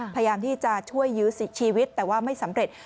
พยายามที่จะช่วยยื้อชีวิตแต่ว่าไม่สำเร็จ